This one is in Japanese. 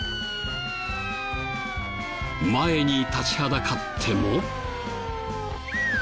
前に立ちはだかっても。